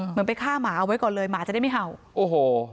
เหมือนไปฆ่าหมาเอาไว้ก่อนเลยหมาจะได้ไม่เห่าโอ้โห